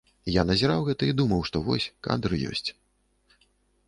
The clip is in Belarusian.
Я назіраў гэта і думаў, што вось кадр ёсць.